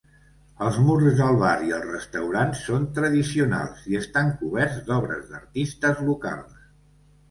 Els murs del bar i el restaurant són tradicionals i estan coberts d'obres d'artistes locals.